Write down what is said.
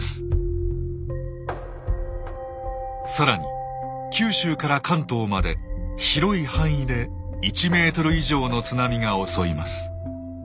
更に九州から関東まで広い範囲で１ｍ以上の津波が襲います。